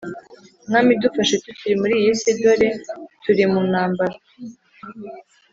Mwami dufashe tukiri muri iyisi dore turi muntambara